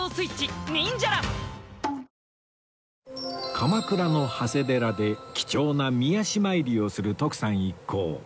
鎌倉の長谷寺で貴重な御足参りをする徳さん一行